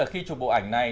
khi chụp bộ ảnh này